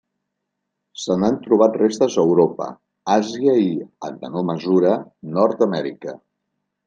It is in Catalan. Se n'han trobat restes a Europa, Àsia i, en menor mesura, Nord-amèrica.